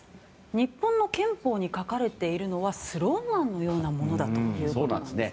日本の憲法に書かれているのはスローガンのようなものだということなんですね。